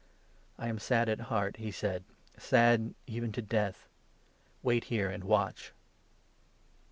"I am sad at heart," he said, "sad even to death ; wait 34 here, and watch."